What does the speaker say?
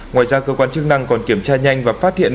ngoài ra cơ quan chức năng còn kiểm tra nhanh và phát hiện